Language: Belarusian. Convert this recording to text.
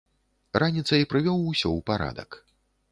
Раніцай прывёў усё ў парадак.